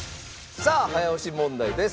さあ早押し問題です。